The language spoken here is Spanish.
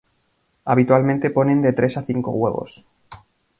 Habitualmente ponen de tres a cinco huevos.